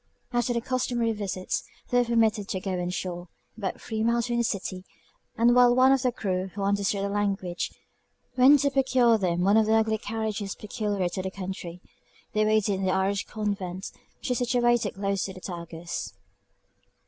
After the customary visits, they were permitted to go on shore, about three miles from the city; and while one of the crew, who understood the language, went to procure them one of the ugly carriages peculiar to the country, they waited in the Irish convent, which is situated close to the Tagus.